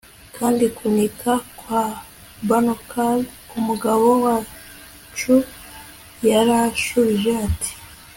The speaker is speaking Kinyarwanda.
Kandi kuniha kwa Banochar kumagambo yacu yarashubije ati